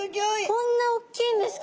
こんな大きいんですか。